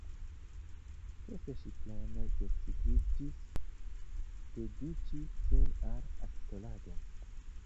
Poste ŝi plene decidiĝis dediĉi sin al aktorado.